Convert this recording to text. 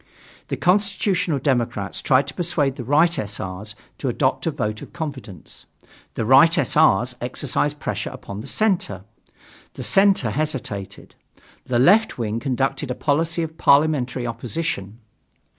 The Constitutional Democrats tried to persuade the right S. R.'s to adopt a vote of confidence. The right S. R.'s exercised pressure upon the center. The center hesitated. The "left" wing conducted a policy of parliamentary opposition.